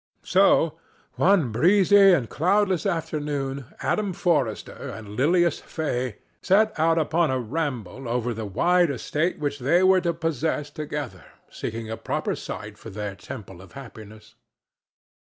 So one breezy and cloudless afternoon Adam Forrester and Lilias Fay set out upon a ramble over the wide estate which they were to possess together, seeking a proper site for their temple of happiness.